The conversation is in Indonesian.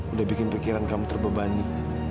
udah bikin pikiran kamu terbebani